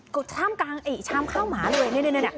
ก็ชามกลางเอ๋ชามข้าวหมาเลยเนี่ย